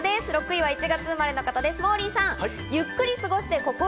６位は１月生まれの方、モーリーさん。